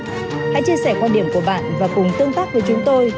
chúng hãy chia sẻ quan điểm của bạn và cùng tương tác với chúng tôi